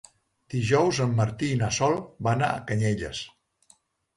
Dijous en Martí i na Sol van a Canyelles.